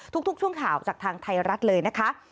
ทุกช่วงข่าวจากทางไทยรัฐเลยนะคะ